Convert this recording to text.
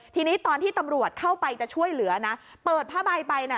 ทีนี้ตอนที่ตำรวจเข้าไปจะช่วยเหลือนะเปิดผ้าใบไปนะ